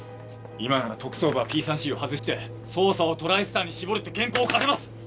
今なら特捜部はＰ３Ｃを外して捜査をトライスターに絞るって原稿を書けます！